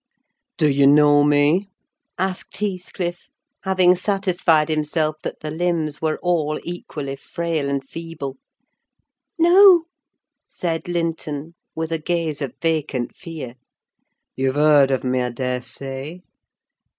"Do you know me?" asked Heathcliff, having satisfied himself that the limbs were all equally frail and feeble. "No," said Linton, with a gaze of vacant fear. "You've heard of me, I daresay?"